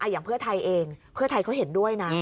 อย่างเพื่อไทยเองเพื่อไทยเขาเห็นด้วยนะ